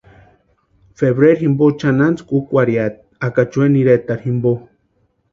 Febrero jimpo chʼanantsïkua úkwarhiati Acachueni ireta jimpo.